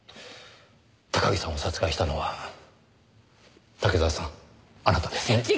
高木さんを殺害したのは竹沢さんあなたですね？